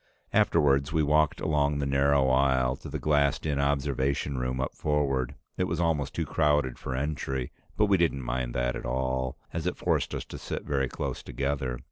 Afterwards we walked along the narrow aisle to the glassed in observation room up forward. It was almost too crowded for entry, but we didn't mind that at all, as it forced us to sit very close together.